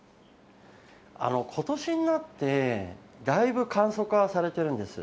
ことしになって、だいぶ簡素化はされてるんです。